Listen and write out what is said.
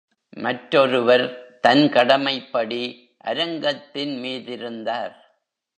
மற்றொருவர், தன் கடமைப்படி, அரங்கத்தின் மீதிருந்தார்.